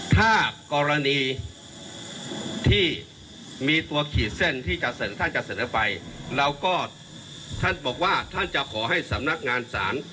ถ้ากรณีที่มีตัวขี่เส้นที่จะเสร็จท่านจะเสร็จได้ไปเราก็บอกว่าท่านจะขอให้ศามนักงานศาล